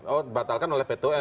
oh dibatalkan oleh pt un